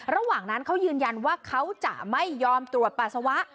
ระหว่างนั้นเขายืนยันว่าเขาจะไม่ยอมตรวจปัสสาวะ